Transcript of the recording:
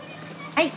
はい。